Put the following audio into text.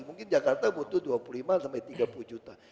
mungkin jakarta butuh dua puluh lima sampai tiga puluh juta